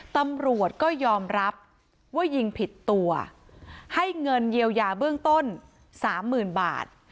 ตำรวจก็ยอมรับว่ายิงผิดตัวให้เงินเยียวยาเบื้องต้นสามหมื่นบาท